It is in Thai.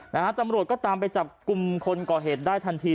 นะฮะตำรวจก็ตามไปจับกลุ่มคนก่อเหตุได้ทันที